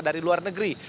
dari luar negeri